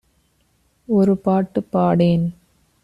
ஒரு பாட்டு பாடேன்